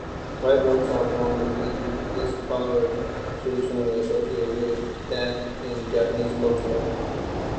White robes are worn, with this colour traditionally associated with death in Japanese culture.